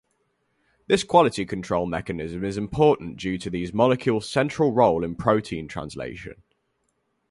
This quality-control mechanism is important due to these molecules' central role in protein translation.